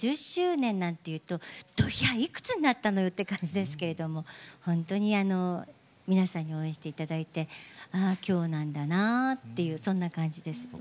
５０周年なんて言うといくつになったのよという感じですけれども本当に皆さんに応援していただいてきょうなんだなあというそんな感じです。